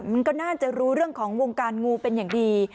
มันก็น่าจะรู้เรื่องของวงการงูเป็นอย่างดี